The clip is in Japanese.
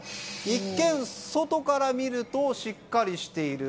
一見、外から見るとしっかりしている。